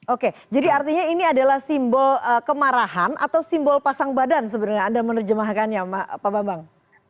oke jadi artinya ini adalah simbol kemarahan atau simbol pasang badan sebenarnya anda menerjemahkannya pak bambang